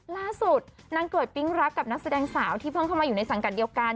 ล่าสุดนางเกิดปิ๊งรักกับนักแสดงสาวที่เพิ่งเข้ามาอยู่ในสังกัดเดียวกัน